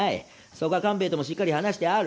そこは官兵衛ともしっかり話してある。